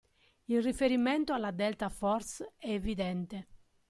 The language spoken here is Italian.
Il riferimento alla "Delta Force" è evidente.